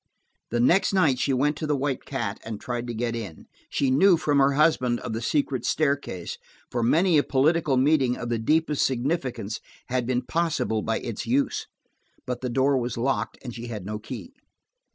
The next night she went to the White Cat and tried to get in. She knew from her husband of the secret staircase, for many a political meeting of the deepest significance had been possible by its use. But the door was locked, and she had no key.